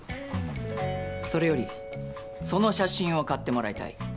「それよりその写真を買ってもらいたい」。